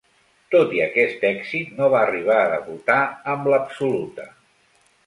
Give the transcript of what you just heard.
Tot i aquest èxit, no va arribar a debutar amb l'absoluta.